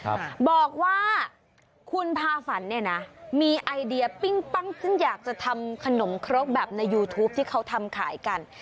บอกว่าคุณพาฝันเนี่ยนะมีไอเดียปิ้งปั้งซึ่งอยากจะทำขนมครกแบบในยูทูปที่เขาทำขายกัน